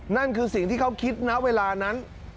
นั่นคือสิ่งที่เขาคิดณเวลานั้น